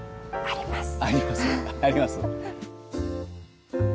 あります？